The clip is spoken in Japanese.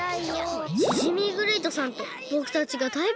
シジミーグレイトさんとぼくたちがだいピンチ！